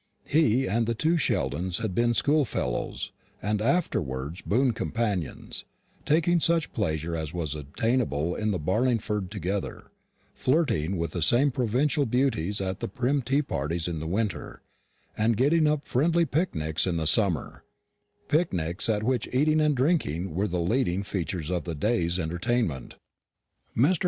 He and the two Sheldons had been schoolfellows, and afterwards boon companions, taking such pleasure as was obtainable in Barlingford together; flirting with the same provincial beauties at prim tea parties in the winter, and getting up friendly picnics in the summer picnics at which eating and drinking were the leading features of the day's entertainment. Mr.